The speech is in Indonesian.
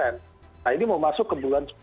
nah ini mau masuk ke bulan sepuluh